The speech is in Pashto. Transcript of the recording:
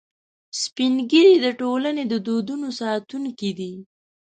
سپین ږیری د ټولنې د دودونو ساتونکي دي